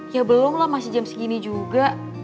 ya belum lah masih jam segini juga